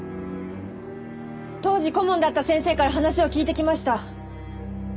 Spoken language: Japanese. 当時顧問だった先生から話を聞いてきました。